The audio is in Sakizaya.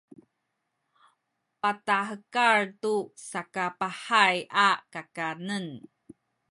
patahekal tu sakapahay a kakanen